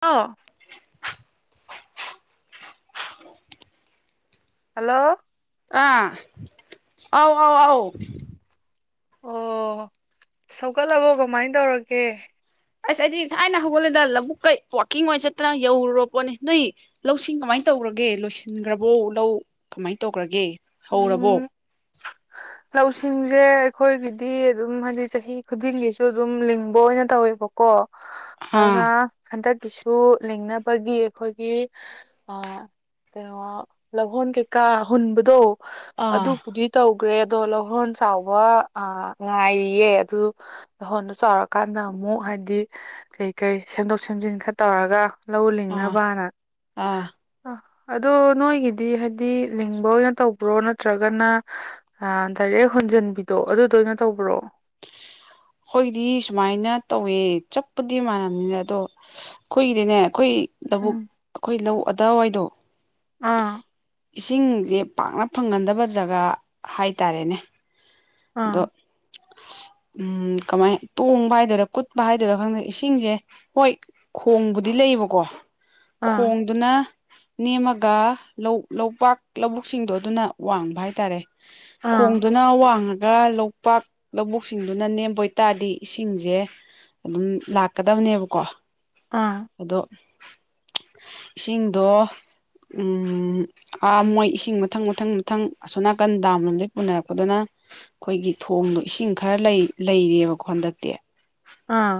ꯑꯣ [unintelligible] [unintelligible] ꯍꯜꯂꯣ ꯑꯥ ꯑꯥꯎ ꯑꯥꯎ ꯑꯥꯎ ꯑꯣ ꯁꯧꯒꯠꯂꯕꯣ ꯀꯃꯥꯏꯟ ꯇꯧꯔꯒꯦ ꯑꯁ ꯑꯩꯗꯤ ꯁꯥꯏꯅ ꯍꯧꯒꯠꯂꯦꯗ ꯂꯕꯨꯛꯀꯩ ꯋꯥꯛꯀꯤꯡ ꯑꯣꯏꯅ ꯆꯠꯇꯅ ꯌꯧꯔꯨꯔꯕ ꯄꯣꯠꯅꯤ ꯅꯣꯏ ꯂꯧꯁꯤꯡ ꯀꯃꯥꯏꯅ ꯇꯧꯔꯒꯦ ꯂꯣꯏꯁꯤꯟꯈ꯭ꯔꯕꯣ ꯂꯧ ꯀꯃꯥꯏ ꯇꯧꯈ꯭ꯔꯒꯦ ꯍꯧꯔꯕꯣ ꯎꯝ ꯂꯧꯁꯤꯡꯁꯦ ꯑꯩꯈꯣꯏꯒꯤꯗꯤ ꯑꯗꯨꯝ ꯍꯥꯏꯗꯤ ꯆꯍꯤ ꯈꯨꯗꯤꯡꯒꯤꯁꯨ ꯑꯗꯨꯝ ꯂꯤꯡꯕ ꯑꯣꯏꯅ ꯇꯧꯋꯦꯕꯀꯣ ꯑꯗꯨꯅ ꯑꯥ ꯍꯟꯗꯛꯀꯤꯁꯨ ꯂꯤꯡꯅꯕꯒꯤ ꯑꯩꯈꯣꯏꯒꯤ ꯑ ꯀꯩꯅꯣ ꯂꯧꯍꯣꯟ ꯀꯩꯀꯥ ꯍꯨꯟꯕꯗꯣ ꯑꯥ ꯑꯗꯨꯕꯨꯗꯤ ꯇꯧ ꯒ꯭ꯔꯦꯗꯣ ꯂꯧꯍꯣꯟ ꯆꯥꯎꯕ ꯑ ꯉꯥꯏꯔꯤꯌꯦ ꯑꯗꯨ ꯂꯧꯍꯣꯟꯗꯣ ꯆꯥꯎꯔꯀꯥꯟꯗ ꯑꯃꯨꯛ ꯍꯥꯏꯗꯤ ꯀꯩ ꯀꯩ ꯁꯦꯝꯗꯣꯛ ꯁꯦꯝꯖꯤꯟ ꯈꯔ ꯇꯧꯔꯒ ꯂꯧ ꯑꯥ ꯂꯤꯡꯅꯕꯅ ꯑꯥ ꯑ ꯑꯗꯣ ꯅꯣꯏꯒꯤꯗꯤ ꯍꯥꯏꯗꯤ ꯂꯤꯡꯕ ꯑꯣꯏꯅ ꯇꯧꯕ꯭ꯔꯣ ꯅꯠꯇ꯭ꯔꯒꯅ ꯑ ꯗꯥꯏꯔꯦꯛ ꯍꯣꯟꯖꯟꯕꯤꯗꯣ ꯑꯗꯨꯗꯣ ꯑꯣꯏꯅ ꯇꯧꯕꯔꯣ ꯑꯩꯈꯣꯏꯗꯤ ꯁꯨꯃꯥꯏꯅ ꯇꯧꯋꯦ ꯆꯥꯞꯄꯨꯗꯤ ꯃꯥꯟꯅꯕꯅꯤꯅ ꯑꯗꯣ ꯑꯩꯈꯣꯏꯒꯤꯗꯤꯅꯦ ꯑꯩꯈꯣꯏ ꯂꯧꯕꯨꯛ ꯎꯝ ꯑꯈꯣꯏ ꯂꯧ ꯑꯗꯥꯋꯥꯏꯗꯣ ꯑꯥ ꯏꯁꯤꯡꯖꯦ ꯄꯥꯛꯅ ꯐꯪꯒꯟꯗꯕ ꯖꯒꯥ ꯍꯥꯏꯇꯥꯔꯦꯅꯦ ꯑꯗꯣ ꯑꯥ ꯎꯝ ꯀꯃꯥꯏ ꯇꯣꯡꯕ ꯍꯥꯏꯗꯣꯏꯔꯥ ꯀꯨꯠꯄ ꯍꯥꯏꯗꯣꯏꯔꯥ ꯈꯪꯗꯦ ꯏꯁꯤꯡꯁꯦ ꯍꯣꯏ ꯈꯣꯡꯕꯨꯗꯤ ꯂꯩꯌꯦꯕꯀꯣ ꯑꯥ ꯈꯣꯡꯗꯨꯅ ꯅꯦꯝꯃꯒ ꯂꯧ ꯂꯧꯄꯥꯛ ꯂꯧꯕꯨꯛꯁꯤꯡꯗꯣ ꯑꯗꯨꯅ ꯋꯥꯡꯕ ꯍꯥꯏꯇꯥꯔꯦ ꯑꯥ ꯈꯣꯡꯗꯣ ꯅꯥ ꯋꯥꯡꯉꯒ ꯂꯧꯄꯥꯛ ꯂꯧꯕꯨꯛꯁꯤꯡꯗꯨꯅ ꯅꯦꯝꯕ ꯑꯣꯏꯇꯥꯔꯗꯤ ꯏꯁꯤꯡꯁꯦ ꯑꯗꯨꯝ ꯂꯥꯛꯀꯗꯕꯅꯦꯕꯀꯣ ꯑꯥ ꯑꯗꯣ [unintelligible] ꯏꯁꯤꯡꯗꯣ ꯎꯝ ꯑꯥ ꯃꯣꯏ ꯏꯁꯤꯡ ꯃꯊꯪ ꯃꯊꯪ ꯃꯊꯪ ꯑꯁꯣꯅꯥꯀꯟ ꯗꯥꯝ ꯂꯣꯝꯗꯩ ꯄꯨꯅꯔꯛꯄꯗꯨꯅ ꯑꯩꯈꯣꯏꯒꯤ ꯊꯣꯡꯗꯣ ꯏꯁꯤꯡ ꯈꯔ ꯂꯩ ꯂꯩꯔꯤꯑꯕꯀꯣ ꯍꯟꯗꯛꯇꯤ ꯑꯥ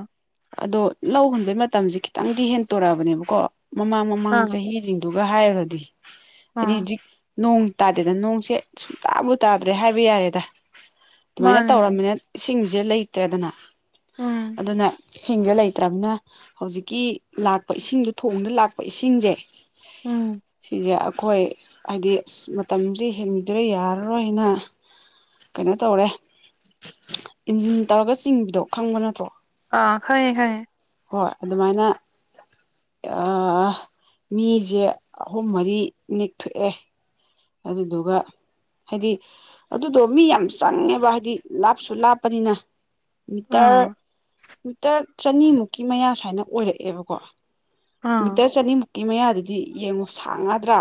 ꯑꯗꯣ ꯂꯧ ꯍꯨꯟꯕꯩ ꯃꯇꯝꯁꯦ ꯈꯤꯇꯪꯗꯤ ꯍꯦꯟꯇꯣꯔꯛꯑꯕꯅꯦꯕꯀꯣ ꯃꯃꯥꯡ ꯃꯃꯥꯡ ꯑꯥ ꯆꯍꯤꯖꯤꯡ ꯑꯗꯨꯒ ꯍꯥꯏꯔꯨꯔꯗꯤ ꯍꯥꯏꯗꯤ ꯑꯥ ꯍꯧꯖꯤꯛ [unintelligible] ꯅꯣꯡ ꯇꯥꯗꯦꯗ ꯅꯣꯡꯁꯦ ꯁꯨꯡꯇꯥꯕꯨ ꯇꯥꯗ꯭ꯔꯦ ꯍꯥꯏꯕ ꯌꯥꯔꯦꯗ ꯑꯗꯨꯃꯥꯏꯅ ꯃꯥꯅꯦꯅꯦ ꯇꯧꯔꯕꯃꯤꯅ ꯏꯁꯤꯡꯁꯦ ꯂꯩꯇ꯭ꯔꯦꯗꯅ ꯎꯝ ꯑꯗꯨꯅ ꯁꯤꯡꯁꯦ ꯂꯩꯇ꯭ꯔꯅꯤꯅ ꯍꯧꯖꯤꯛꯀꯤ ꯂꯥꯛꯄ ꯏꯁꯤꯡꯗꯣ ꯊꯣꯡꯅ ꯂꯥꯛꯄ ꯏꯁꯤꯡꯁꯦ ꯎꯝ ꯁꯤꯖ ꯑꯩꯈꯣꯏ ꯍꯥꯏꯗꯤ ꯑꯁ ꯃꯇꯝꯁꯦ ꯍꯦꯟꯕꯤꯗ꯭ꯔ ꯌꯥꯔꯔꯣꯏꯅ ꯀꯩꯅꯣ ꯇꯧꯔꯦꯟ ꯇꯧꯔꯒ ꯆꯤꯡꯕꯤꯗꯣ ꯈꯪꯕ ꯅꯠꯇ꯭ꯔꯣ ꯑ ꯈꯌꯦꯦ ꯈꯥꯏꯌꯦꯦ ꯍꯣꯏ ꯑꯗꯨꯃꯥꯏꯅ ꯃꯤꯁꯦ ꯑꯍꯨꯝ ꯃꯔꯤ ꯅꯤꯛꯊꯣꯛꯑꯦ ꯑꯗꯨꯗꯨꯒ ꯍꯥꯏꯗꯤ ꯑꯗꯨꯗꯣ ꯃꯤ ꯌꯥꯝ ꯆꯪꯉꯦꯕ ꯍꯥꯏꯗꯤ ꯂꯥꯞꯁꯨ ꯂꯥꯞꯄꯅꯤꯅ ꯃꯤꯇꯔ ꯑꯥ ꯃꯤꯇꯔ ꯆꯅꯤꯃꯨꯛꯀꯤ ꯃꯌꯥ ꯁꯨꯋꯏꯅ ꯑꯣꯏꯔꯛꯑꯦꯕꯀꯣ ꯑꯥ ꯃꯤꯇꯔ ꯆꯅꯤꯃꯨꯛꯀꯤ ꯃꯌꯥꯗꯨꯗꯤ ꯌꯦꯡꯉꯣ ꯁꯥꯡꯉꯗ꯭ꯔꯥ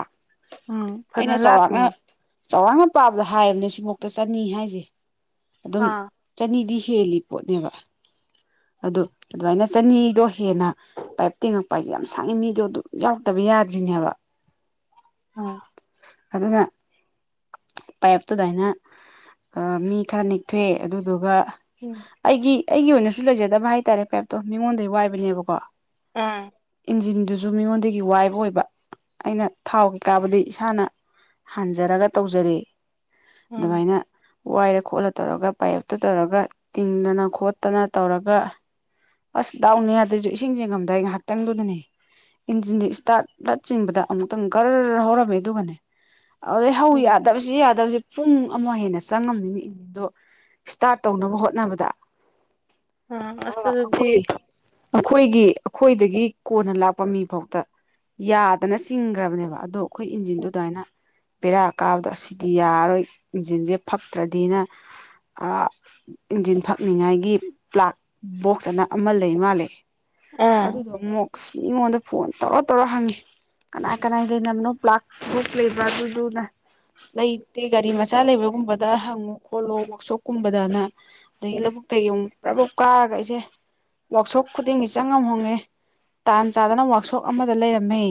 ꯎꯝ ꯐꯅ ꯑꯩꯅ ꯆꯥꯎꯔꯥꯛꯅ ꯂꯥꯞꯄꯤꯅꯤ ꯆꯧꯔꯥꯛꯅ ꯄꯥꯕꯗ ꯍꯥꯏꯔꯕꯅꯦ ꯁꯤ ꯃꯨꯛꯇ ꯆꯅꯤ ꯍꯥꯏꯁꯦ ꯑꯗꯨꯝ ꯑꯥ ꯆꯅꯤꯗꯤ ꯍꯦꯜꯂꯤ ꯄꯣꯠꯅꯦꯕ ꯑꯗꯣ ꯑꯗꯨꯃꯥꯏꯅ ꯆꯅꯤꯗꯣ ꯍꯦꯟꯅ ꯄꯥꯏꯞ ꯇꯤꯡꯉꯛꯄ ꯍꯥꯏꯁꯦ ꯌꯥꯝ ꯁꯥꯡꯉꯤ ꯃꯤꯗꯣ ꯑꯗꯨꯝ ꯌꯥꯎꯔꯛꯇꯕ ꯌꯥꯗ꯭ꯔꯤꯅꯦꯕ ꯎꯝ ꯑꯗꯨꯕ ꯉꯥ ꯄꯥꯏꯞꯇꯨꯗꯥꯏꯅ ꯃꯤ ꯈꯔ ꯅꯤꯛꯊꯣꯛꯑꯦ ꯑꯗꯨꯗꯨꯒ ꯎꯝ ꯑꯩꯒꯤ ꯑꯩꯒꯤ ꯑꯣꯏꯅꯁꯨ ꯂꯩꯖꯗꯕ ꯍꯥꯏꯇꯥꯔꯦ ꯀꯦꯞꯇꯣ ꯃꯤꯉꯣꯟꯗꯩ ꯋꯥꯏꯕꯅꯦꯕꯀꯣ ꯑꯥ ꯏꯟꯖꯤꯟꯗꯨꯁꯨ ꯃꯤꯉꯣꯟꯗꯒꯤ ꯋꯥꯏꯕ ꯑꯣꯏꯕ ꯑꯩꯅ ꯊꯥꯎ ꯀꯩ ꯀꯥꯕꯗꯤ ꯏꯁꯥꯅ ꯍꯥꯟꯖꯔꯒ ꯇꯧꯖꯔ ꯎꯝ ꯑꯗꯨꯃꯥꯏꯅ ꯋꯥꯏꯔ ꯈꯣꯠꯂ ꯇꯧꯔꯒ ꯄꯥꯏꯞꯇ ꯇꯧꯔꯒ ꯇꯤꯡꯗꯅ ꯈꯣꯠꯇꯅ ꯇꯧꯔꯒ ꯑꯁ ꯗꯥꯎꯅꯤ ꯌꯥꯗꯁꯨ ꯏꯁꯤꯡꯁꯦ ꯉꯝꯗꯥꯏ ꯉꯥꯏꯍꯥꯛꯇꯪꯗꯨꯗꯅꯦ ꯏꯟꯖꯤꯟꯗꯤ ꯏꯁꯇꯥꯔꯠ ꯂꯠ ꯆꯤꯡꯕꯗ ꯑꯃꯨꯛꯇꯪ ꯔ ꯍꯧꯔꯝꯃꯦ ꯑꯗꯨꯒꯅꯦ ꯑꯗꯨꯗꯩ ꯍꯧ ꯎꯝ ꯌꯥꯗꯕꯁꯤ ꯌꯥꯗꯕꯁꯦ ꯄꯨꯡ ꯑꯃ ꯍꯦꯟꯅ ꯆꯪꯉꯝꯅꯤꯅꯦ ꯏꯅꯤꯗꯣ ꯏꯁꯇꯥꯔꯠ ꯇꯧꯅꯕ ꯍꯣꯠꯅꯕꯗ ꯑ ꯑꯁ ꯑꯗꯨꯗꯤ ꯑꯩꯈꯣꯏ ꯑꯩꯈꯣꯏꯒꯤ ꯑꯩꯈꯣꯏꯗꯒꯤ ꯀꯣꯟꯅ ꯂꯥꯛꯄ ꯃꯤ ꯐꯥꯎꯗ ꯌꯥꯗꯅ ꯆꯤꯡꯈ꯭ꯔꯕꯅꯦꯕ ꯑꯗꯣ ꯑꯩꯈꯣꯏ ꯑꯥ ꯏꯟꯖꯤꯟꯗꯨ ꯑꯗꯨꯃꯥꯏꯅ ꯄꯦꯔꯥ ꯀꯥꯕꯗ ꯑꯁꯤꯗꯤ ꯌꯥꯔꯔꯣꯏ ꯏꯟꯖꯤꯟꯁꯦ ꯐꯛꯇ꯭ꯔꯗꯤꯅ ꯏꯟꯖꯤꯟ ꯐꯛꯅꯤꯡꯉꯥꯏꯒꯤ ꯄ꯭ꯂꯥꯛ ꯕꯣꯛ ꯐꯖꯅ ꯑꯃ ꯂꯩ ꯃꯥꯜꯂ ꯑꯗꯨꯗꯣ ꯃꯣꯛꯁ ꯃꯤꯉꯣꯟꯗ ꯐꯣꯟ ꯇꯧꯔ ꯇꯧꯔ ꯍꯪꯉꯤ ꯀꯅꯥ ꯀꯅꯥ ꯂꯩ ꯅꯅ ꯄ ꯂꯥꯛ ꯂꯩꯕ ꯑꯗꯨꯗꯨꯅ ꯂꯩꯇꯦ ꯒꯥꯔꯤ ꯃꯆꯥ ꯂꯩꯕꯒꯨꯝꯕꯗ ꯍꯪꯉꯨ ꯈꯣꯠꯂꯣ ꯋꯥꯛꯁꯣꯞꯀꯨꯝꯕꯗꯅ ꯑꯗꯒꯤ ꯂꯧꯕꯨꯛꯇꯒꯤ ꯑꯃꯨꯛ ꯄꯨꯔꯥꯐꯛ ꯀꯥꯔꯒ ꯑꯩꯁꯦ ꯋꯔꯥꯛꯁꯣꯞ ꯈꯨꯗꯤꯡꯒꯤ ꯆꯪꯉꯝ ꯍꯣꯡꯉꯦ ꯇꯥꯟ ꯆꯥꯗꯅ ꯋꯔꯥꯛꯁꯣꯞ ꯑꯃꯗ ꯂꯩꯔꯝꯃꯤ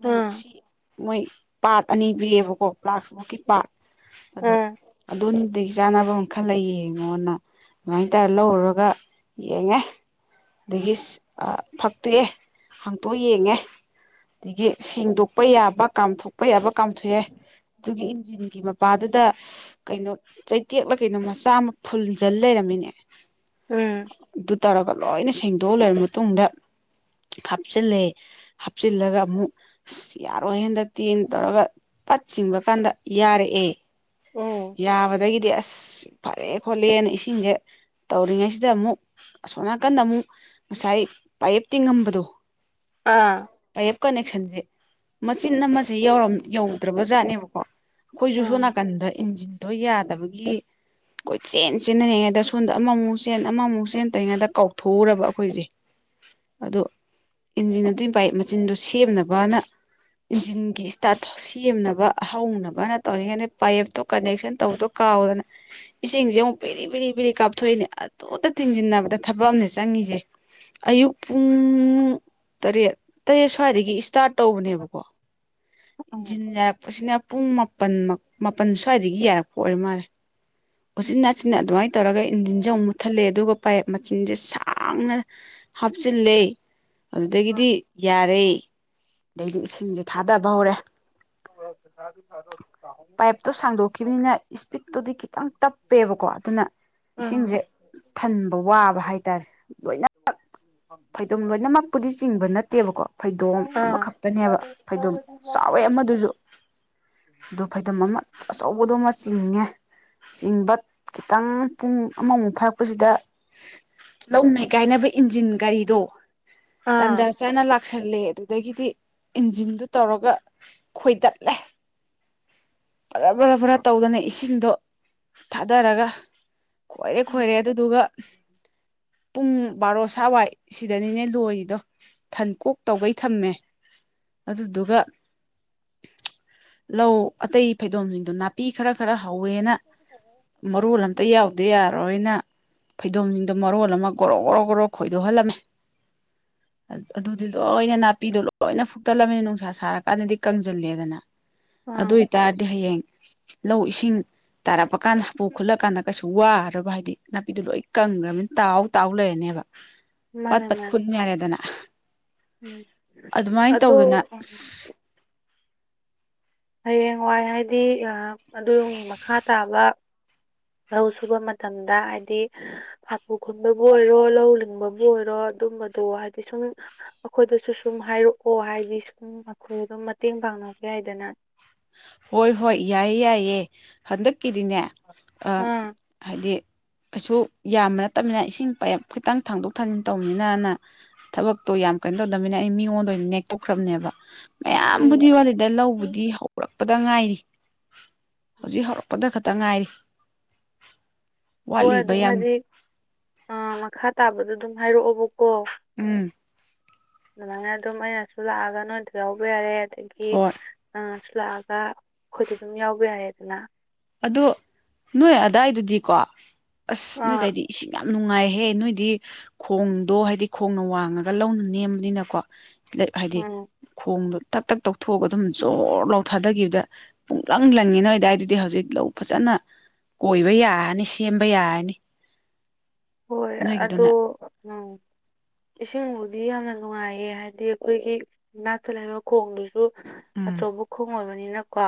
ꯃꯣꯏꯅ ꯑꯥ ꯁꯤ ꯃꯣꯏ ꯄꯥꯠ ꯑꯅꯤ ꯄꯤꯌꯦꯕꯀꯣ ꯄ꯭ꯂꯥꯛꯁ ꯃꯨꯛꯀꯤ ꯄꯥꯠ ꯑ ꯑꯥ ꯑꯗꯨꯝ ꯑꯗꯨꯒꯤ ꯆꯥꯟꯅꯕ ꯑꯃ ꯈꯜ ꯂꯩꯌꯦ ꯃꯉꯣꯟꯗ ꯑꯗꯨꯃꯥꯏ ꯇꯧꯔꯒ ꯂꯧꯔꯔꯒ ꯌꯦꯡꯉꯦ ꯑꯗꯒꯤ ꯐꯛꯇꯣꯛꯑꯦ ꯍꯥꯡꯛꯇꯣꯛ ꯌꯦꯡꯉꯦ ꯑꯗꯒꯤ ꯁꯦꯡꯗꯣꯛꯄ ꯌꯥꯕ ꯀꯥꯝꯊꯣꯛꯄ ꯌꯥꯕ ꯀꯥꯝꯊꯣꯛꯑꯦ ꯑꯗꯨꯒꯤ ꯏꯟꯖꯤꯟꯒꯤ ꯃꯄꯥꯗꯨꯗ ꯀꯩꯅꯣ ꯆꯩꯇꯦꯛꯂ ꯀꯩꯅꯣ ꯃꯆꯥ ꯑꯃ ꯐꯨꯟꯖꯜ ꯂꯩꯔꯝꯃꯤꯅꯦ ꯎꯝ ꯑꯗꯨ ꯇꯥꯔꯒ ꯂꯣꯏꯅ ꯁꯦꯡꯗꯣꯛꯑ ꯂꯩꯔꯕ ꯃꯇꯨꯡꯗ ꯍꯥꯞꯆꯤꯜꯂꯦ ꯍꯥꯞꯆꯤꯜꯂꯒ ꯑꯃꯨꯛ ꯑꯁ ꯌꯥꯔꯣꯏ ꯍꯦꯟꯗ ꯇꯦꯟ ꯇꯧꯔꯒ ꯄꯠ ꯆꯤꯡꯕ ꯀꯥꯟꯗ ꯌꯥꯔꯛꯑꯦ ꯎꯝ ꯌꯥꯕꯗꯒꯤꯗꯤ ꯑꯁ ꯐꯔꯦ ꯈꯣꯠꯂꯦꯅ ꯏꯁꯤꯡꯁꯦ ꯇꯧꯔꯤꯉꯩꯁꯤꯗ ꯑꯃꯨꯛ ꯑꯁꯣꯝ ꯅꯥꯀꯟꯗ ꯑꯃꯨꯛ ꯉꯁꯥꯏ ꯄꯥꯏꯌꯦꯞꯇꯤꯡꯉꯝꯕꯗꯣ ꯑꯥ ꯄꯥꯏꯞ ꯀꯅꯦꯛꯁꯟꯁꯦ ꯃꯆꯤꯟ ꯑꯃꯁꯦꯧꯔꯝ ꯌꯧꯗ꯭ꯔꯕꯖꯥꯠꯅꯦꯕꯀꯣ ꯑꯥ ꯑꯩꯈꯣꯏꯁꯨ ꯁꯣꯝ ꯅꯥꯀꯟꯗ ꯏꯟꯖꯤꯟꯗꯣ ꯌꯥꯗꯕꯒꯤ ꯑꯩꯈꯣꯏ ꯆꯦꯟ ꯆꯦꯟꯅꯔꯤꯉꯩꯗ ꯁꯣꯝꯗ ꯑꯃꯃꯨꯛ ꯆꯦꯟ ꯑꯃꯃꯨꯛ ꯆꯦꯟ ꯑꯇꯩ ꯉꯥꯛꯇ ꯀꯥꯎꯊꯣꯛꯎꯔꯕ ꯑꯩꯈꯣꯏꯁꯦ ꯑꯗꯣ ꯏꯟꯖꯤꯟ ꯑꯗꯨꯒꯤ ꯄꯥꯏ ꯃꯆꯤꯟꯗꯨ ꯁꯦꯝꯅꯕꯅ ꯏꯟꯖꯤꯟꯒꯤ ꯏꯁꯇꯥꯠ ꯁꯦꯝꯅꯕ ꯍꯧꯅꯕꯅ ꯇꯧꯔꯤꯉꯗ ꯄꯥꯏꯞꯇꯣ ꯀꯅꯦꯛꯁꯟ ꯇꯧꯗꯣ ꯀꯥꯎꯗꯅ ꯏꯁꯤꯡꯁꯦ ꯑꯃꯨꯛ ꯄꯦꯔꯤ ꯄꯦꯔꯤ ꯄꯦꯔꯤ ꯀꯥꯞꯊꯣꯛꯏꯅꯦ ꯑꯗꯨꯇ ꯊꯤꯡꯖꯤꯟꯅꯕꯅꯦ ꯑ ꯗ ꯊꯕꯛ ꯑꯝꯅꯦ ꯆꯪꯉꯤꯁꯦ ꯑꯌꯨꯛ ꯄꯨꯡ ꯇꯔꯦꯠ ꯇꯔꯦꯠ ꯁ꯭ꯋꯥꯏꯗꯒꯤ ꯏꯁꯇꯥꯔꯠ ꯇꯧꯕꯅꯦꯕꯀꯣ ꯏꯟꯖꯤꯟ ꯌꯥꯔꯛꯄꯁꯤꯅ ꯄꯨꯡ ꯃꯥꯄꯟ ꯃꯥꯄꯟ ꯁ꯭ꯋꯥꯏꯗꯒꯤ ꯌꯥꯔꯛꯄ ꯑꯣꯏꯔ ꯃꯥꯜꯂꯦ ꯎꯆꯤꯟ ꯅꯥꯆꯤꯟꯅ ꯑꯗꯨꯃꯥꯏꯅ ꯇꯧꯔꯒ ꯏꯟꯖꯤꯟꯁꯦꯨꯛ ꯃꯨꯠꯊꯠꯂꯦ ꯑꯗꯨꯒ ꯄꯥꯏꯞ ꯃꯆꯤꯟꯖꯦ ꯁꯥꯡꯅ ꯍꯥꯞꯆꯤꯜꯂꯦ ꯑꯥ ꯑꯗꯨꯗꯒꯤꯗꯤ ꯌꯥꯔꯦ ꯑꯗꯩꯗꯤ ꯏꯁꯤꯡꯁꯦ ꯊꯥꯗꯕ ꯍꯧꯔꯦ ꯄꯥꯏꯞꯇꯣ ꯁꯥꯡꯗꯣꯛꯈꯤꯕꯅꯤꯅ ꯏꯁꯄꯤꯠꯇꯨꯗꯤ ꯈꯤꯇꯪ ꯇꯞ ꯀꯄꯦꯕꯀꯣ ꯑꯗꯨꯅ ꯎꯝ ꯏꯁꯤꯡꯁꯦ ꯊꯟꯕ ꯋꯥꯕ ꯍꯥꯏꯇꯥꯔꯦ ꯂꯣꯏꯅꯃꯛ ꯐꯩꯗꯣꯝ ꯂꯣꯏꯅꯃꯛꯄꯨꯗꯤ ꯆꯤꯡꯕ ꯅꯠꯇꯦꯕꯀꯣ ꯐꯩꯗꯣꯝ ꯑꯥ ꯑꯃꯈꯛꯇꯅꯦꯕ ꯐꯩꯗꯨꯝ ꯆꯥꯎꯋꯦ ꯑꯃꯗꯨꯁꯨ ꯑꯗꯨ ꯐꯩꯗꯨꯝ ꯑꯃ ꯑꯆꯧꯕꯗꯨꯃ ꯆꯤꯡꯉꯦ ꯆꯤꯡꯕ ꯈꯤꯇꯪ ꯄꯨꯡ ꯑꯃꯃꯨꯛ ꯐꯥꯔꯛꯄꯁꯤꯗ ꯂꯧꯅꯩ ꯀꯥꯏꯅꯕ ꯏꯟꯖꯤꯟ ꯒꯥꯔꯤꯗꯣ ꯇꯟꯖꯥ ꯑꯥ ꯆꯥꯅ ꯂꯥꯛ ꯀꯧꯁꯜꯂꯦ ꯑꯗꯨꯗꯒꯤꯗꯤ ꯏꯟꯖꯤꯟꯗꯨ ꯇꯧꯔꯒ ꯈꯣꯏꯗꯠꯂꯦ ꯕꯔꯥ ꯕꯔꯥ ꯕꯔꯥ ꯇꯧꯗꯅ ꯏꯁꯤꯡꯗꯣ ꯊꯥꯗꯔꯒ ꯈꯣꯏꯔꯦ ꯈꯣꯏꯔꯦ ꯑꯗꯨꯗꯨꯒ ꯄꯨꯡ ꯕꯥꯔꯣ ꯁꯋꯥꯋꯥꯏ ꯁꯤꯗꯅꯤꯅꯦ ꯂꯣꯏꯔꯤꯗꯣ ꯊꯟ ꯀꯣꯛ ꯇꯧꯒꯩ ꯊꯝꯃꯦ ꯑꯗꯨꯗꯨꯒ ꯂꯧ ꯑꯇꯩ ꯐꯩꯗꯣꯝꯁꯤꯡꯗꯣ ꯅꯥꯄꯤ ꯅꯨꯄꯤ ꯈꯔ ꯈꯔ ꯍꯧꯋꯦꯅ ꯃꯔꯨ ꯑꯝꯇ ꯌꯥꯎꯗꯦ ꯌꯥꯔꯔꯣꯏꯅ ꯐꯩꯗꯣꯝꯁꯤꯡꯗꯣ ꯃꯔꯣꯜ ꯑꯃ ꯒꯣꯔꯣ ꯒꯣꯔꯣ ꯒꯣꯔꯣ ꯈꯣꯏꯗꯣꯛꯍꯜꯂꯝꯃꯦ [unintelligible] ꯑꯗꯨꯗꯤ ꯂꯣꯏꯅ ꯅꯥꯄꯤꯗꯣ ꯂꯣꯏꯅ ꯐꯨꯛꯇꯠꯂꯝꯃꯤꯅ ꯅꯨꯡꯁꯥ ꯁꯥꯔꯀꯥꯟꯗꯗꯤ ꯀꯪꯁꯤꯜꯂꯦꯗꯅ ꯑꯗꯨ ꯑꯥ ꯑꯣꯏꯇꯥꯔꯗꯤ ꯍꯌꯦꯡ ꯂꯧ ꯏꯁꯤꯡ ꯇꯥꯔꯛꯄ ꯀꯥꯟꯗ ꯄꯨꯨ ꯈꯨꯠꯂ ꯀꯥꯟꯗ ꯀꯩꯁꯨ ꯋꯥꯔꯕ ꯍꯥꯏꯗꯤ ꯅꯥꯄꯤꯗꯨꯣ ꯂꯣꯏ ꯀꯪꯈ꯭ꯔꯅꯤ ꯇꯥꯎꯥꯎ ꯇꯥꯎ ꯂꯩꯔꯅꯦꯕ ꯄꯥꯠ ꯃꯥꯅꯦ ꯄꯥꯠ ꯃꯥꯅꯦ ꯈꯨꯟ ꯌꯥꯔꯦꯗꯅ ꯎꯝ ꯑꯗꯨꯃꯥꯏꯅ ꯑꯗꯣ ꯇꯧꯗꯅ ꯎꯝ, ꯑꯁ ꯍꯌꯦꯡꯋꯥꯏ ꯍꯥꯏꯗꯤ ꯑꯗꯨꯒꯤ ꯃꯈꯥ ꯇꯥꯕ ꯂꯧ ꯁꯨꯕ ꯃꯇꯝꯗ ꯍꯥꯏꯗꯤ ꯍꯥꯄꯨ ꯈꯨꯟꯕꯕꯨ ꯑꯣꯏꯔꯣ ꯂꯧ ꯂꯤꯡꯕꯕꯨ ꯑꯣꯏꯔꯣ ꯑꯗꯨꯝꯕꯗꯣ ꯍꯥꯏꯗꯤ ꯁꯨꯝ ꯑꯩꯈꯣꯏꯗꯁꯨ ꯁꯨꯝ ꯍꯥꯏꯔꯛꯑꯣ ꯍꯥꯏꯗꯤ ꯁꯨꯝ ꯑ ꯈꯨꯜꯒ ꯃꯇꯦꯡ ꯄꯥꯡꯅꯕ ꯌꯥꯏꯗꯅ ꯍꯣꯏ ꯍꯣꯏ ꯌꯥꯏꯌꯦ ꯌꯥꯏꯌꯦ ꯍꯟꯗꯛꯀꯤꯗꯤꯅꯦ ꯑ ꯑꯥ ꯍꯥꯏꯗꯤ ꯀꯩꯁꯨ ꯌꯥꯝꯕ ꯅꯠꯇꯕꯅꯤꯅ ꯏꯁꯤꯡ ꯄꯥꯏꯞ ꯈꯤꯇꯪ ꯊꯥꯡꯗꯣꯛ ꯊꯥꯡꯖꯤꯟ ꯇꯧꯕꯅꯤꯅꯅ ꯊꯕꯛꯇꯣ ꯌꯥꯝ ꯀꯩꯅꯣ ꯇꯧꯗꯃꯤꯅ ꯑꯩ ꯃꯤꯉꯣꯟꯗ ꯑꯣꯏꯅ ꯅꯦꯛꯇꯣꯛꯈ꯭ꯔꯕꯅꯦꯕ ꯎꯝ ꯃꯌꯥꯝꯕꯨꯗꯤ ꯋꯥꯠꯂꯤꯗ ꯂꯧꯕꯨꯗꯤ ꯍꯧꯔꯛꯄꯗ ꯉꯥꯏꯔꯤ ꯎꯝ. ꯍꯧꯖꯤꯛ ꯍꯧꯔꯛ ꯄꯗ ꯈꯛꯇ ꯉꯥꯏꯔꯤ ꯍꯣꯏ ꯋꯥꯠꯂꯤꯕ ꯑꯗꯨꯝ ꯌꯥꯝ ꯍꯧꯖꯤꯛ ꯑꯥ ꯃꯈꯥ ꯇꯥꯕꯗ‌ꯣ ꯑꯗꯨꯝ ꯍꯥꯏꯔꯛꯑꯣꯕꯀꯣ ꯎꯝ ꯑꯗꯨꯃꯥꯏꯅ ꯑꯗꯨꯝ ꯑꯩꯅꯁꯨ ꯂꯥꯛꯑꯒ ꯅꯣꯏꯗ ꯌꯥꯎꯕ ꯌꯥꯔꯦ ꯑꯗꯒꯤ ꯍꯣꯏ ꯅꯪꯅꯁꯨ ꯂꯥꯛꯑꯒ ꯑꯩꯈꯣꯏꯗ ꯑꯗꯨꯝ ꯌꯥꯎꯕ ꯌꯥꯔꯦꯗꯅ ꯑꯗꯣ ꯅꯣꯏ ꯑꯗꯥꯏꯗꯨꯗꯤꯀꯣ ꯑꯁ ꯑꯥ ꯅꯣꯏꯗꯥꯏꯗꯤ ꯏꯁꯤꯡ ꯌꯥꯝ ꯌꯥꯝ ꯅꯨꯡꯉꯥꯏꯍꯦ ꯅꯣꯏꯗꯤ ꯈꯣꯡꯗꯣ ꯍꯥꯏꯗꯤ ꯈꯣꯡꯅ ꯋꯥꯡꯉꯒ ꯂꯧꯅ ꯅꯦꯝꯕꯅꯤꯅꯀꯣ ꯍꯥꯏꯗꯤ ꯎꯝ ꯈꯣꯡꯗꯣ ꯇꯛ ꯇꯛ ꯇꯧꯊꯣꯛꯑꯒ ꯑꯗꯨꯝ ꯖꯣꯔ ꯂꯧꯊꯥꯗꯈꯤꯕꯗ ꯄꯨꯡꯂꯪ ꯂꯪꯉꯤ ꯅꯣꯏꯗꯥꯏ ꯗꯨꯗꯤ ꯍꯧꯖꯤꯛ ꯂꯧ ꯐꯖꯅ ꯀꯣꯏꯕ ꯌꯥꯔꯅꯤ ꯁꯦꯝꯕ ꯌꯥꯔꯅꯤ ꯍꯣꯏ ꯑꯗꯣ ꯅꯣꯏꯒꯤꯗꯨꯅ ꯎꯝ ꯏꯁꯤꯡꯕꯨꯗꯤ ꯌꯥꯝꯅ ꯅꯨꯡꯉꯥꯏꯌꯦ ꯍꯥꯏꯗꯤ ꯑꯩꯈꯣꯏꯒꯤ ꯅꯥꯛꯇ ꯂꯩꯕ ꯈꯣꯡꯗꯨꯁꯨ ꯎꯝ ꯑꯆꯧꯕ ꯈꯣꯡ ꯑꯣꯏꯕꯅꯤꯅꯀꯣ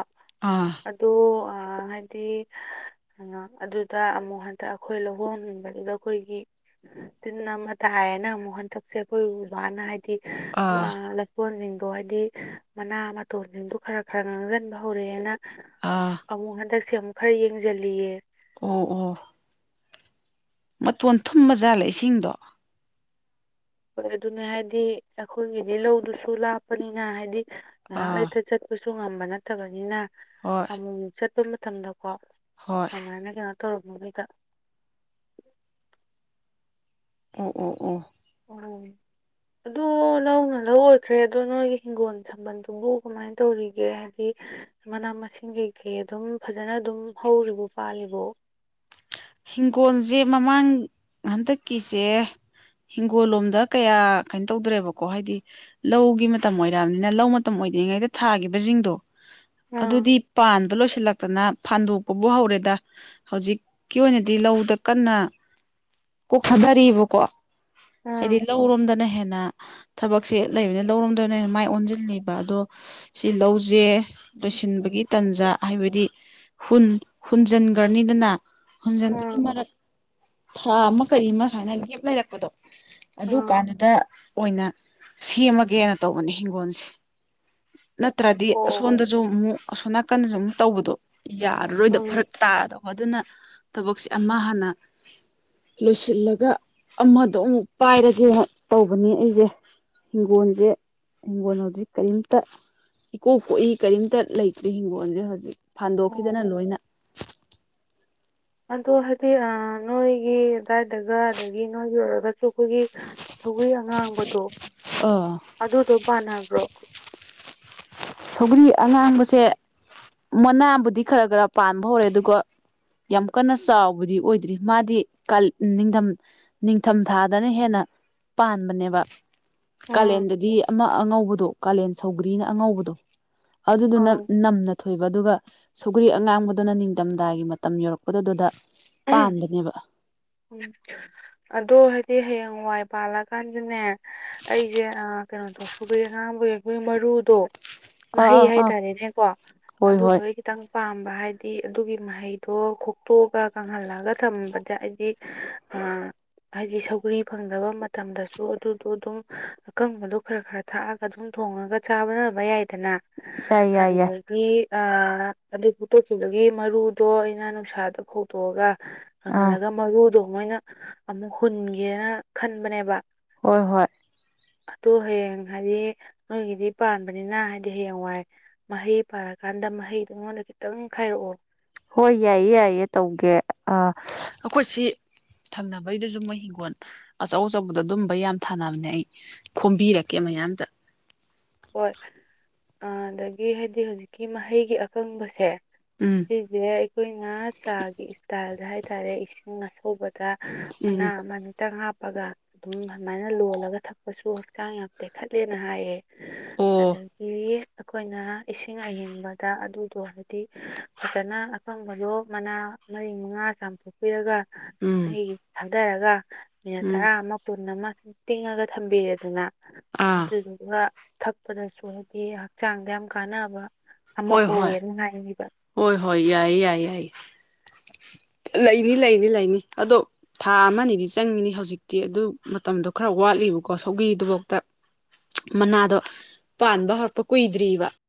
ꯑꯥ ꯑꯗꯣ ꯑꯥ ꯍꯥꯏꯗꯤ ꯑ ꯑꯗꯨꯗ ꯑꯃꯨꯛ ꯍꯟꯗꯛ ꯑꯩꯈꯣꯏ ꯂꯧꯍꯣꯟ ꯍꯨꯟꯕꯗꯨꯗ ꯑꯩꯈꯣꯏꯒꯤ ꯇꯤꯟ ꯑꯃ ꯇꯥꯏꯌꯦꯅ ꯑꯃꯨꯛ ꯍꯟꯗꯛꯁꯦ ꯑꯩꯈꯣꯏ ꯕꯕꯥꯅ ꯑꯥ ꯍꯥꯏ [unintelligible] ꯀꯣꯟꯁꯤꯡꯗꯣ ꯍꯥꯏꯗꯤ ꯃꯅꯥ ꯃꯇꯣꯟꯁꯤꯡꯗꯣ ꯈꯔ ꯈꯔ ꯉꯥꯡꯁꯤꯟꯕ ꯍꯧꯔꯛꯑꯦꯅ ꯑꯥ ꯑꯃꯨꯛ ꯍꯟꯗꯛꯁꯦ ꯑꯃꯨꯛ ꯈꯔ ꯌꯦꯡꯁꯤꯜꯂꯨꯏꯌꯦ ꯑꯣ ꯑꯣ ꯃꯇꯣꯟ ꯊꯨꯝꯕꯖꯥꯠꯂꯦ ꯏꯁꯤꯡꯗꯣ ꯍꯣꯏ ꯑꯗꯨꯅꯦ ꯍꯥꯏꯗꯤ ꯑꯩꯈꯣꯏꯒꯤꯗꯤ ꯂꯧꯗꯨꯁꯨ ꯂꯥꯞꯄꯅꯤꯅ ꯍꯥꯏꯗꯤ ꯉꯥꯏꯍꯥꯛ ꯑꯥ ꯂꯩꯇ ꯆꯠꯄꯁꯨ ꯉꯝꯕ ꯅꯠꯇꯕꯅꯤꯅ ꯍꯣꯏ ꯑꯃꯨꯃꯨꯛ ꯆꯠꯄ ꯃꯇꯝꯗꯀꯣ ꯍꯣꯏ ꯑꯃꯥꯏꯅ ꯀꯩꯅ‌ꯣ ꯇꯧꯔꯛꯄꯒꯩꯗ ꯑꯣ ꯑꯣ ꯑꯣ ꯑꯣ ꯑꯗꯣ ꯂꯧꯅ ꯂꯧ ꯑꯣꯏꯈ꯭ꯔꯦ ꯑꯗꯣ ꯅꯣꯏꯒꯤ ꯍꯤꯡꯒꯣꯟ ꯁꯝꯕꯜꯗꯨꯕꯨ ꯀꯥꯃꯥꯏꯟ ꯀꯃꯥꯏꯟ ꯇꯧꯔꯤꯒꯦ ꯍꯥꯏꯗꯤ ꯃꯅꯥ ꯃꯁꯤꯡ ꯀꯩ ꯀꯩ ꯑꯗꯨꯝ ꯐꯖꯅ ꯑꯗꯨꯝ ꯍꯧꯔꯤꯕꯣ ꯄꯥꯜꯂꯤꯕꯣ ꯍꯤꯡꯒꯣꯟꯁꯦ ꯃꯃꯥꯡ ꯍꯟꯗꯛꯀꯤꯁꯦ ꯍꯤꯡꯒꯣꯜ ꯂꯣꯝꯗ ꯀꯌꯥ ꯀꯩꯅꯣ ꯇꯧꯗ꯭ꯔꯦꯕꯀꯣ ꯍꯥꯏꯗꯤ ꯂꯧꯒꯤ ꯃꯇꯝ ꯑꯣꯏꯔꯛꯑꯝꯅꯤꯅ ꯂꯧ ꯃꯇꯝ ꯑꯣꯏꯗ꯭ꯔꯤꯉꯩꯗ ꯊꯥꯒꯤꯕꯁꯤꯡꯗꯣ ꯑꯥ ꯑꯗꯨꯗꯤ ꯄꯥꯟꯕ ꯂꯣꯏꯁꯤꯜꯂꯛꯇꯅ ꯐꯥꯟꯗꯣꯛꯄꯕꯨ ꯍꯧꯔꯦꯗ ꯍꯧꯖꯤꯛ ꯀꯤ ꯑꯣꯏꯅꯗꯤ ꯂꯧꯗ ꯀꯟꯅ ꯀꯣꯛ ꯊꯥꯗꯔꯤꯕꯀꯣ ꯍꯥꯏꯗꯤ ꯑꯥ ꯂꯧꯔꯣꯝꯗꯅ ꯍꯦꯟꯅ ꯊꯕꯛꯁꯦ ꯂꯩꯕꯅꯤꯅ ꯂꯧꯔ‌ꯣꯝꯗ ꯑꯣꯏꯅꯦ ꯃꯥꯏ ꯑꯣꯟꯁꯤꯜꯂꯤꯕ ꯑꯗꯣ ꯁꯤ ꯂꯧꯁꯦ ꯂꯣꯏꯁꯤꯟꯕꯒꯤ ꯇꯥꯟꯖꯥ ꯍꯥꯏꯕꯗꯤ ꯍꯨꯟ ꯍꯨꯟꯖꯤꯟꯈ꯭ꯔꯅꯤꯗꯅ ꯍꯨꯟꯖꯟꯕꯒꯤ ꯑꯥ ꯃꯔꯛ ꯊꯥ ꯑꯃ ꯀꯔꯤ ꯑꯃ ꯁꯨꯃꯥꯏꯅ ꯒ‌ꯦꯞ ꯂꯩꯔꯛꯄꯗꯣ ꯑꯗꯨ ꯑꯥ ꯀꯥꯟꯗꯨꯗ ꯑꯣꯏꯅ ꯁꯦꯝꯃꯒꯦꯅ ꯇꯧꯕꯅꯦ ꯍꯤꯡꯒꯣꯟꯁꯦ ꯅꯠꯇ꯭ꯔꯗꯤ ꯑꯣ ꯑꯁꯣꯟꯗꯁꯨ ꯑꯃꯨꯛ ꯑꯁꯣꯝ ꯅꯥꯀꯟꯗꯁꯨ ꯑꯃꯨꯛ ꯇꯧꯕꯗꯣ ꯌꯥꯔꯔꯣꯏꯗꯕ ꯎꯝ ꯐꯔꯛ ꯇꯥꯔꯗꯧꯕ ꯑꯗꯨꯅ ꯊꯕꯛꯁꯦ ꯑꯃ ꯍꯥꯟꯅ ꯂꯣꯏꯁꯤꯜꯂꯒ ꯑꯃꯗꯣ ꯑꯃꯨꯛ ꯄꯥꯏꯔꯒꯦꯅ ꯇꯧꯕꯅꯦ ꯑꯩꯁꯦ ꯍꯤꯡꯒꯣꯟꯖꯦ ꯍꯤꯡꯒꯣꯟ ꯍꯧꯖꯤꯛ ꯀꯔꯤꯝꯇ ꯏꯀꯣꯛ ꯀꯣꯛꯏ ꯀꯔꯤꯝꯇ ꯂꯩꯇ꯭ꯔꯤ ꯍꯤꯡꯒꯣꯜꯟꯖꯦ ꯍꯧꯖꯤꯛ ꯑꯣ ꯐꯥꯟꯗꯣꯛꯈꯤꯗꯅ ꯂꯣꯏꯅ ꯑꯗꯣ ꯍꯥꯏꯗꯤ ꯅꯣꯏꯒꯤ ꯗꯥꯥꯏꯗꯒ ꯑꯗꯒꯤ ꯅꯣꯏꯒꯤ ꯑꯣꯏꯔꯒꯁꯨ ꯑꯩꯈꯣꯏꯒꯤ ꯁꯧꯒꯔꯤ ꯑꯉꯥꯡꯕꯗꯣ ꯑꯥ ꯑꯗꯨꯗꯣ ꯄꯥꯟꯅꯕ꯭ꯔꯣ ꯁꯧꯒ꯭ꯔꯤ ꯑꯉꯥꯡꯕꯁꯦ ꯃꯅꯥꯕꯨꯗꯤ ꯈꯔ ꯈꯔ ꯄꯥꯟꯕ ꯍꯧꯔꯦ ꯑꯗꯨꯒ ꯌꯥꯝ ꯀꯟꯅ ꯆꯥꯎꯕꯗꯤ ꯑꯣꯏꯗ꯭ꯔꯤ ꯃꯥꯗꯤ ꯀꯜ ꯅꯤꯡꯗꯝ ꯅꯤꯡꯊꯝ ꯊꯥꯗꯅ ꯍꯦꯟꯅ ꯄꯥꯟꯕꯅꯦꯕ ꯎꯝ ꯀꯥꯂꯦꯟꯗꯗꯤ ꯑꯃ ꯑꯉꯧꯕꯗꯣ ꯀꯥꯂꯦꯟ ꯁꯧꯒ꯭ꯔꯤꯅ ꯑꯉꯧꯕꯗꯣ ꯑꯗꯨꯗꯨꯅ ꯑꯥꯎ ꯅꯝꯅ ꯊꯣꯏꯕ ꯑꯗꯨꯒ ꯁꯨꯒ꯭ꯔꯤ ꯑꯉꯥꯡꯕꯗꯨꯅ ꯅꯤꯡꯗꯝꯗꯒꯤ ꯃꯇꯝ ꯌꯧꯔꯛꯄꯗꯨꯗꯨꯗ ꯄꯥꯟꯕꯅꯦꯕ ꯑꯗꯣ ꯍꯥꯏꯗꯤ ꯍꯌꯦꯡꯋꯥꯏ ꯄꯥꯜꯂꯀꯥꯟꯗꯅꯦ ꯑꯩꯁꯦ ꯑ ꯀꯩꯅꯣꯗꯣ ꯁꯧꯒꯔꯤ ꯑꯉꯥꯡꯕꯒꯤ ꯑꯩꯈꯣꯏꯒꯤ ꯃꯔꯨꯗꯣ ꯑꯥ ꯃꯍꯩ ꯑꯥ ꯑꯥ ꯍꯥꯏꯇꯥꯔꯦꯅꯦꯀꯣ ꯍꯣꯏ ꯑꯗꯨꯗꯣ ꯍꯣꯏ ꯑꯩ ꯈꯤꯇꯪ ꯄꯥꯝꯕ ꯍꯥꯏꯗꯤ ꯑꯗꯨꯒꯤ ꯃꯍꯩꯗꯣ ꯈꯣꯛꯇꯣꯛꯑꯒ ꯀꯪꯍꯜꯂꯒ ꯊꯝꯕꯗ ꯍꯥꯏꯗꯤ ꯑ ꯍꯥꯏꯗꯤ ꯁꯧꯒ꯭ꯔꯤ ꯐꯪꯗꯕ ꯃꯇꯝꯗꯁꯨ ꯑꯗꯨꯗꯣ ꯑꯗꯨꯝ ꯑꯀꯪꯕꯗꯣ ꯈꯔ ꯈꯔ ꯊꯥꯛꯑꯒ ꯑꯗꯨꯝ ꯊꯣꯡꯉꯒ ꯆꯥꯕꯔꯕ ꯌꯥꯏꯗꯅ ꯌꯥꯏ ꯌꯥꯏ ꯌꯥꯏ ꯑꯗꯨꯗ__ ꯑ ꯑꯗꯤ ꯐꯨꯛꯇꯣꯛꯈꯤꯕꯒꯤ ꯃꯔꯨꯗꯣ ꯑꯩꯅ ꯅꯨꯡꯁꯥꯗ ꯐꯧꯗꯣꯛꯑꯒ ꯑꯥ ꯀꯪꯍꯜꯂꯒ ꯃꯔꯨꯗꯣ ꯃꯣꯏꯅ ꯑꯃꯨꯛ ꯍꯨꯟꯒꯦꯅ ꯈꯟꯕꯅꯦꯕ ꯍꯣꯏ ꯍꯣꯏ ꯑꯗꯨ ꯍꯌꯦꯡ ꯍꯥꯏꯗꯤ ꯅꯣꯏꯒꯤꯗꯤ ꯄꯥꯟꯕꯅꯤꯅ ꯍꯥꯏꯗꯤ ꯍꯌꯦꯡꯋꯥꯏ ꯃꯍꯩ ꯄꯥꯔꯀꯥꯟꯗ ꯃꯍꯩꯗꯣ ꯑꯩꯉꯣꯟꯗ ꯈꯤꯇꯪ ꯈꯥꯏꯔꯛꯑꯣ ꯍꯣꯏ ꯌꯥꯏꯌꯦ ꯌꯥꯏꯌꯦ ꯇꯧꯒꯦ ꯑ ꯑꯩꯈꯣꯏ ꯁꯤ ꯊꯪꯅꯕꯩꯗꯨꯁꯨ ꯃꯣꯏ ꯍꯤꯡꯒꯣꯜ ꯑꯆꯧ ꯑꯆꯧꯕꯗ ꯑꯗꯨꯝꯕ ꯌꯥꯝ ꯊꯥꯅꯕꯅꯦ ꯑꯩ ꯈꯣꯝꯕꯤꯔꯛꯀꯦ ꯃꯌꯥꯝꯇꯥ ꯍꯣꯏ ꯑꯗꯒꯤ ꯍꯥꯏꯗꯤ ꯍꯧꯖꯤꯛꯀꯤ ꯃꯍꯩꯒꯤ ꯑꯀꯪꯕꯁꯦ ꯎꯝ ꯁꯤꯁꯦ ꯑꯩꯈꯣꯏꯅ ꯆꯥꯒꯤ ꯏꯁꯇꯥꯏꯜꯗ ꯍꯥꯏꯇꯥꯔꯦ ꯏꯁꯤꯡ ꯑꯁꯧꯕ ꯗ ꯎꯝ ꯃꯅꯥ ꯑꯃꯅꯤ ꯈꯤꯇꯪ ꯍꯥꯞꯄꯒ ꯑꯗꯨꯝ ꯑꯗꯨꯃꯥꯏꯅ ꯂꯣꯜꯂꯒ ꯊꯛꯄꯁꯨ ꯍꯛꯆꯥꯡ ꯌꯥꯝ ꯇꯦꯛꯈꯠꯂꯦꯅ ꯍꯥꯏꯌꯦ ꯑꯣ ꯑꯗꯒꯤ ꯑꯩꯈꯣꯏꯅ ꯏꯁꯤꯡ ꯑꯌꯤꯡꯕꯗ ꯑꯗꯨꯗꯣ ꯍꯥꯏꯗꯤ ꯐꯖꯅ ꯑꯀꯪꯕꯗꯣ ꯃꯅꯥ ꯃꯔꯤ ꯃꯉꯥ ꯆꯥꯝꯊꯣꯛꯄꯤꯔꯒ ꯎꯝ ꯑꯩ ꯊꯥꯗꯔꯒ ꯃꯤꯅꯠ ꯎꯝ ꯇꯔꯥ ꯑꯃ ꯇꯨꯟ ꯑꯃ ꯁꯨꯝ ꯇꯤꯡꯉꯒ ꯊꯝꯕꯤꯔꯦꯗꯅ ꯑꯥ ꯑꯗꯨꯗꯨꯒ ꯊꯛꯄꯗꯁꯨ ꯍꯥꯏꯗꯤ ꯍꯛꯆꯥꯡꯗ ꯌꯥꯝ ꯀꯥꯟꯅꯕ ꯑꯃ ꯍꯣꯏ ꯍꯣꯏ ꯑꯣꯏꯌꯦꯅ ꯍꯥꯏꯔꯤꯕ ꯍꯣꯏ ꯍꯣꯏ ꯌꯥꯏꯌꯦ ꯌꯥꯏ ꯌꯥꯏ ꯂꯩꯅꯤ ꯂꯩꯅꯤ ꯂꯩꯅꯤ ꯑꯗꯣ ꯊꯥ ꯑꯃꯗꯤ ꯆꯪꯉꯤꯅꯤ ꯍꯧꯖꯤꯛꯇꯤ ꯑꯗꯨ ꯃꯇꯝꯗꯣ ꯈꯔ ꯋꯥꯠꯂꯤꯕꯀꯣ ꯁꯧꯒꯤꯗꯨꯐꯥꯎꯇ ꯃꯅꯥꯗꯣ ꯄꯥꯟꯕ ꯍꯧꯔꯛꯄ ꯀꯨꯏꯗ꯭ꯑꯔꯤꯕ